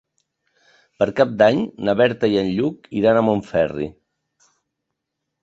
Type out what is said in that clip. Per Cap d'Any na Berta i en Lluc iran a Montferri.